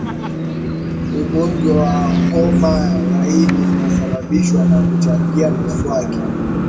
ugonjwa wa homa ya ini inasababishwa na kuchangia miswaki